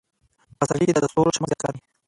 په پسرلي کې د ستورو چمک زیات ښکاري.